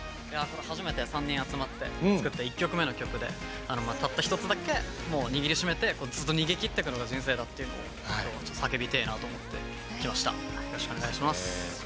初めて３人集まって作った１曲目の曲でたった一つだけたった一つだけ握りしめてずっと握っていくのが人生だと叫びてえなと思ってきました。